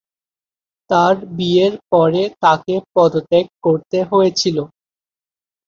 তার বিয়ের পরে তাকে পদত্যাগ করতে হয়েছিল।